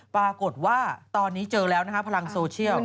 ปรากฏว่าตอนนี้เจอแล้วนะครับพลังโซเชียล